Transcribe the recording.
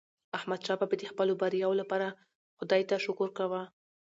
احمدشاه بابا د خپلو بریاوو لپاره خداي ته شکر کاوه.